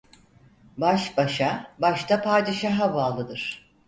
Baş başa, baş da padişaha bağlıdır.